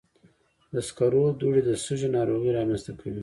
د سکرو دوړې د سږي ناروغۍ رامنځته کوي.